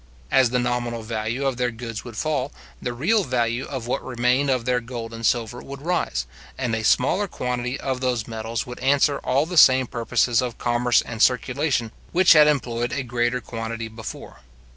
As the nominal value of their goods would fall, the real value of what remained of their gold and silver would rise, and a smaller quantity of those metals would answer all the same purposes of commerce and circulation which had employed a greater quantity before.